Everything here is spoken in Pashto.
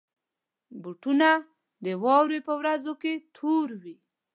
بوټونه د واورې پر ورځو کې تور وي.